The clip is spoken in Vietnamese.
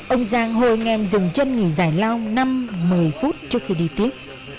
ông giang hồi nghèm dùng chân nghỉ giải lao năm một mươi phút trước khi đi tiếp